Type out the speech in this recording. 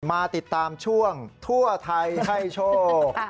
มาติดตามช่วงทั่วไทยให้โชค